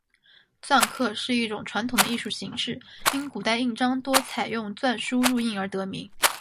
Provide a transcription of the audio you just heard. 篆刻是一种传统的艺术形式，因古代印章多采用篆书入印而得名。